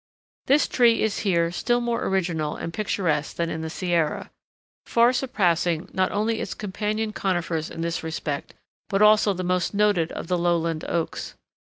This tree is here still more original and picturesque than in the Sierra, far surpassing not only its companion conifers in this respect, but also the most noted of the lowland oaks.